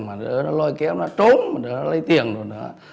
mà nó lôi kéo nó trốn nó lấy tiền rồi nữa